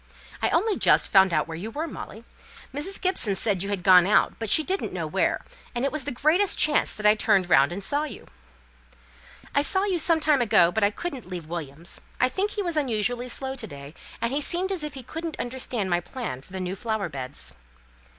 "I only just found out where you were, Molly. Mrs. Gibson said you had gone out, but she didn't know where; and it was the greatest chance that I turned round and saw you." "I saw you some time ago, but I couldn't leave Williams. I think he was unusually slow to day; and he seemed as if he couldn't understand my plans for the new flower beds."